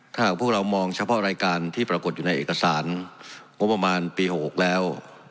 ถ้าหากพวกเรามองเฉพาะรายการที่ปรากฏอยู่ในเอกสารงบประมาณปี๖๖แล้ว